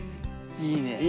いいね。